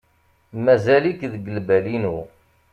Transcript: Mazal-ik deg lbal-inu.